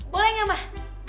boleh gak mbah